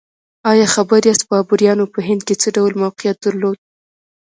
ایا خبر یاست بابریانو په هند کې څه ډول موقعیت درلود؟